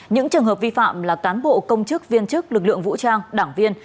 những trường hợp vi phạm là cán bộ công chức viên chức lực lượng vũ trang đảng viên